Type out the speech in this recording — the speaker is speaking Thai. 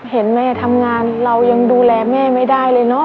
เห็นแม่ทำงานเรายังดูแลแม่ไม่ได้เลยเนอะ